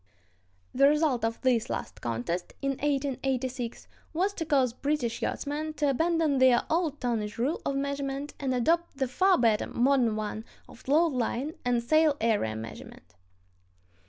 The result of this last contest (1886) was to cause British yachtsmen to abandon their old tonnage rule of measurement and adopt the far better modern one of load line and sail area measurement.